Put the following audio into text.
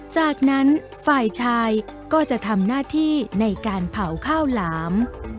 จากนั้นฝ่ายชายก็จะทำหน้าที่ในการเผาข้าวหลาม